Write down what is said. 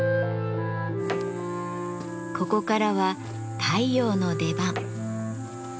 ここからは太陽の出番。